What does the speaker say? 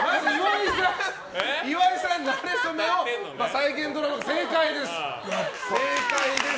岩井さんのなれ初めを再現ドラマは正解です。